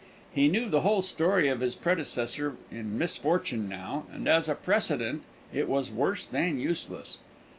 He knew the whole story of his predecessor in misfortune now, and, as a precedent, it was worse than useless.